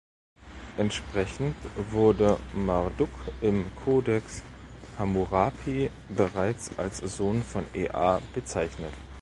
Dementsprechend wurde Marduk im "Codex Hammurapi" bereits als Sohn von Ea bezeichnet.